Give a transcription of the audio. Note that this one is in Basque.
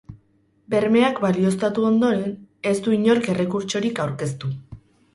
Bermeak balioztatu ondoren, ez du inork errekurtsorik aurkeztu.